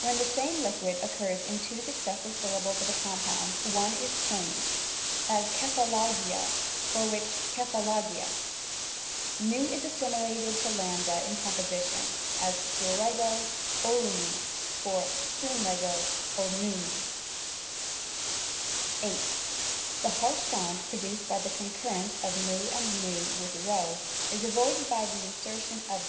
When the same liquid occurs in two . successive syllables of a compound, one is changed; as xtcpuXaX yia^ for which xhcpakaqyia. v is assimilated to A in composition, as 6vXkby(Oy oXXvfiCy for avv Xsyco^ oX vv/lcc. 8. The harsh sound produced by the concurrence of /Li and V with p, is avoided by the insertion of